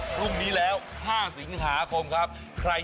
พรุ่งนี้๕สิงหาคมจะเป็นของใคร